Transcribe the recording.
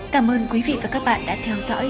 cảm ơn quý vị và các bạn đã theo dõi